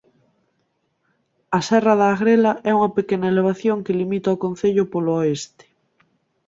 A serra da Agrela é unha pequena elevación que limita o concello polo oeste.